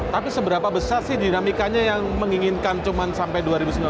tapi seberapa besar sih dinamikanya yang menginginkan cuma sampai dua ribu sembilan belas